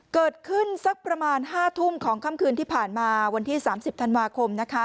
สักประมาณ๕ทุ่มของค่ำคืนที่ผ่านมาวันที่๓๐ธันวาคมนะคะ